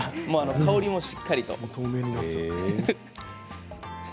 香りもしっかり出ます。